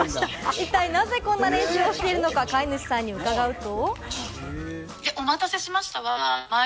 一体なぜ、こんな練習をしているのか、飼い主さんに伺うと。